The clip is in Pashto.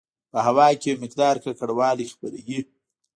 په هوا کې یو مقدار ککړوالی خپروي.